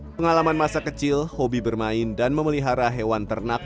pengalaman masa kecil hobi bermain dan memelihara hewan ternak